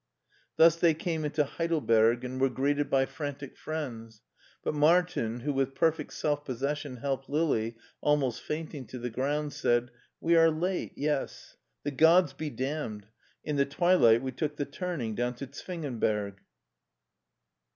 '* Thus they came into Heidelberg and were greeted by frantic friends, but Martin, who with perfect self possession helped Lili, almost fainting, to the ground, said ," We are late, yes. The gods be damned : in the tv/ilight we took the turning down to Zwingenberg."